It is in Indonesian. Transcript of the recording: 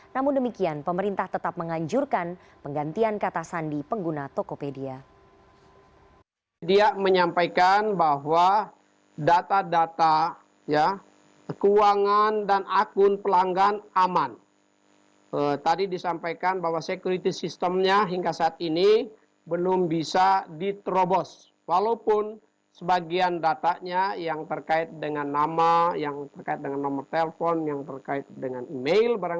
namun demikian pemerintah tetap menganjurkan penggantian kata sandi pengguna tokopedia